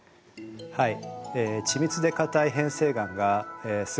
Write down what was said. はい。